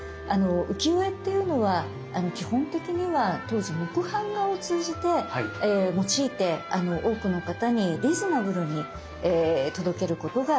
浮世絵っていうのは基本的には当時木版画を用いて多くの方にリーズナブルに届けることができた。